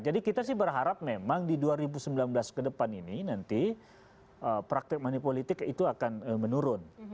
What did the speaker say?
jadi kita sih berharap memang di dua ribu sembilan belas ke depan ini nanti praktik mani politik itu akan menurun